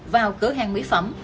vào cửa hàng mỹ phẩm